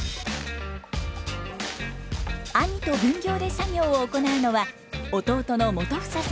兄と分業で作業を行うのは弟の元英さんです。